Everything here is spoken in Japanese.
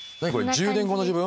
１０年後の自分。